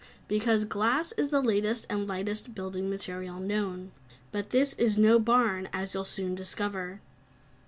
"Because glass is the latest and lightest building material known. But this is no barn, as you'll soon discover."